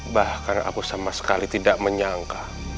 bahkan aku sama sekali tidak menyangka